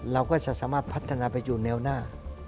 เราก็จะสามารถพัฒนาไปอยู่แนวหน้า